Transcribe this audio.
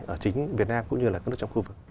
ở chính việt nam cũng như là các nước trong khu vực